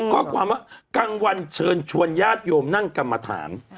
ข้อความว่ากลางวันเชิญชวนญาติโยมนั่งกรรมฐาน